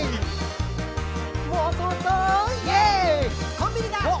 「コンビニだ！